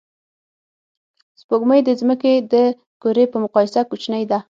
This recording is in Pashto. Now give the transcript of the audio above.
سپوږمۍ د ځمکې د کُرې په مقایسه کوچنۍ ده